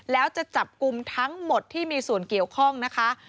แล้วจะจับกลุ่มทั้งหมดที่มีส่วนเกี่ยวข้องนะคะ